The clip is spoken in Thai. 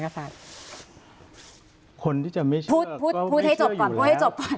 คนที่จะไม่เชื่อก็ไม่เชื่ออยู่แล้ว